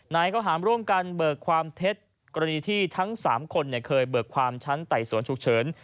ข้อหารร่วมกันเบิกความเท็จกรณีที่ทั้ง๓คนเคยเบิกความชั้นไต่สวนฉุกเฉิน